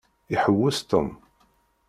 Iḥewwes Tom.